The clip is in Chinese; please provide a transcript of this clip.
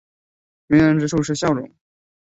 迷人之处是笑容。